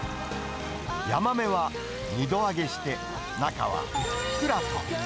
ヤマメは二度揚げして、中はふっくらと。